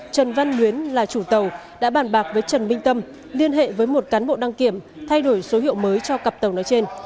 trần văn luyến là chủ tàu đã bàn bạc với trần minh tâm liên hệ với một cán bộ đăng kiểm thay đổi số hiệu mới cho cặp tàu nói trên